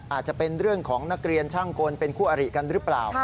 อาจจะเป็นเรื่องของนักเรียนช่างกลเป็นคู่อริกันหรือเปล่า